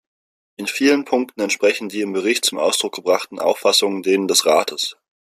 In vielen Punkten entsprechen die im Bericht zum Ausdruck gebrachten Auffassungen denen des Rates.